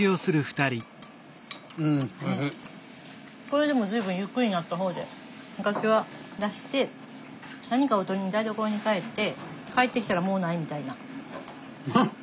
これでも随分ゆっくりになった方で昔は出して何かを取りに台所に帰って帰ってきたらもうないみたいな。